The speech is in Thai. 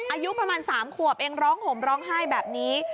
อายุประมาณ๓ขวบเองร้องห่มร้องไห้แบบนี้